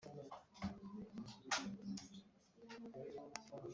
igenzura ku buryo bw imyishyurire mu karere ka muhanga